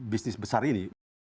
bisnis besar ini